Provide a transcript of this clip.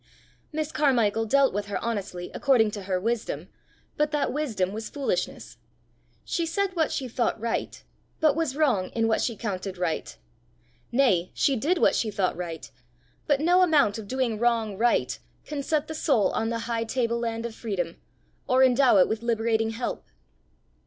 Miss Carmichael dealt with her honestly according to her wisdom, but that wisdom was foolishness; she said what she thought right, but was wrong in what she counted right; nay, she did what she thought right but no amount of doing wrong right can set the soul on the high table land of freedom, or endow it with liberating help.